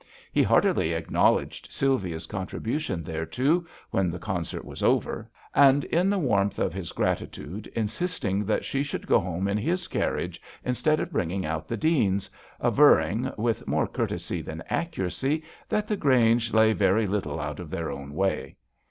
He heartily acknowledged Sylvia's contribution .thereto, when the concert was over, and in the warmth of his gratitude insisted that she should go home in his carriage instead of bring ing out the Dean's, averring, with more courtesy than accuracy, THE VIOLIN OBBLIGATO. 69 that the Grange lay very little out of their own way.